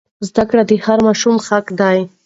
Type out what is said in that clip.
زده کړه د هر ماشوم حق دی.